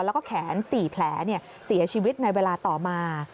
แล้วก็แขน๔แผลเสียชีวิตในเวลาต่อมา